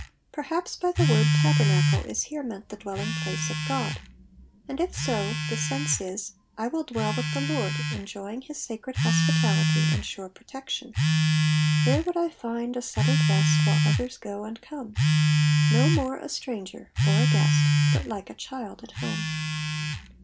Perhjips by the word tabernacle'' is here meant the dwelling place of God ; and if so, the sense is, I will dwell with the Lord, enjoying his sacred hospitality, and sure protection. " There would I find a settled rest, While others go and come ; No more a stninj^er or a Kuest, But like a child at horne.